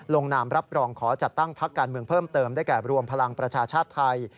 นามรับรองขอจัดตั้งพักการเมืองเพิ่มเติมได้แก่รวมพลังประชาชาติไทย